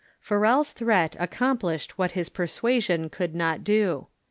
Farel's threat accomplished what his persuasion could not do.